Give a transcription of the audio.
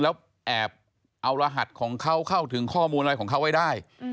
แล้วแอบเอารหัสของเขาเข้าถึงข้อมูลอะไรของเขาไว้ได้